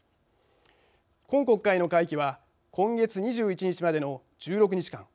今国会の会期は今月２１日までの１６日間。